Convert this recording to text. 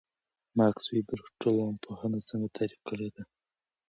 ماکس وِبر ټولنپوهنه څنګه تعریف کړې ده؟